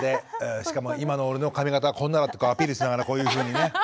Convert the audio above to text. しかも今の俺の髪形はこんなだとかアピールしながらこういうふうにね。